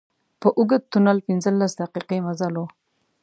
یو اوږد تونل پنځلس دقيقې مزل و.